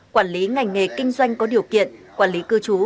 quản lý ngành nghề kinh doanh có điều kiện quản lý cư trú